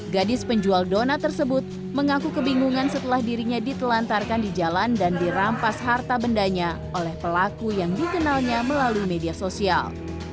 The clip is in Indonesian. gadis penjual donat tersebut mengaku kebingungan setelah dirinya ditelantarkan di jalan dan dirampas harta bendanya oleh pelaku yang dikenalnya melalui media sosial